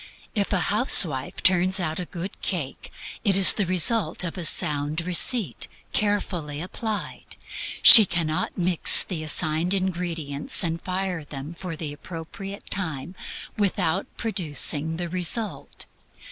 If a housewife turns out a good cake, it is the result of a sound receipt, carefully applied. She cannot mix the assigned ingredients and fire them for the appropriate time without producing the result.